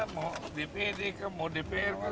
buang buang omdat pengendap tersebut